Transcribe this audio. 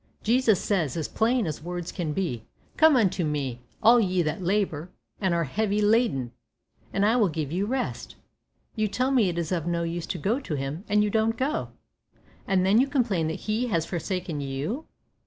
Jesus says, as plain as words can put it, `Come unto me, all ye that labour and are heavy laden, and I will give you rest.' You tell me it is of no use to go to Him, and you don't go, and then you complain that He has forsaken you!